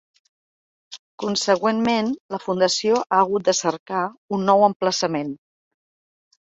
Consegüentment, la fundació ha hagut de cercar un nou emplaçament.